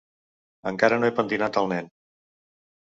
Encara no he pentinat el nen.